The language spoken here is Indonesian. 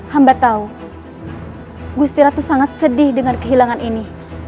hamba tahu gusti ratu sangat sedih dengan kehilangan ini